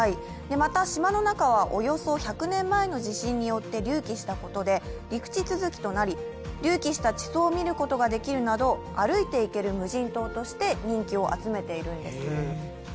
また島の中はおよそ１００年前の地震によって隆起したことにより陸地続きとなり、隆起した地層を見ることができるなど、歩いていける無人島として人気を集めているんです。